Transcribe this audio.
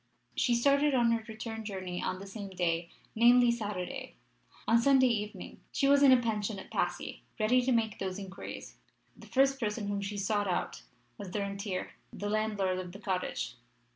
She started on her return journey on the same day namely, Saturday. On Sunday evening she was in a pension at Passy, ready to make those inquiries. The first person whom she sought out was the rentier the landlord of the cottage.